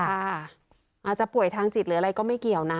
อาจจะป่วยทางจิตหรืออะไรก็ไม่เกี่ยวนะ